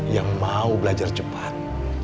yang mau belajar cepat